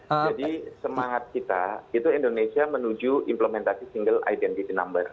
jadi semangat kita itu indonesia menuju implementasi single identity number